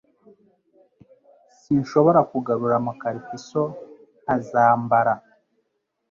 Sinshobora kugarura amkarfiso nkaza mbara